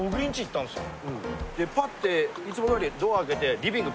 でぱっていつもどおりドア開けて。